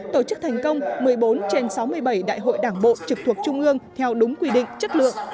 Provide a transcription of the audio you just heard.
tổ chức thành công một mươi bốn trên sáu mươi bảy đại hội đảng bộ trực thuộc trung ương theo đúng quy định chất lượng